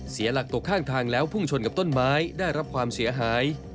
เสียหลักตกข้างทางแล้วพุ่งชนกับต้นไม้ได้รับความเสียหาย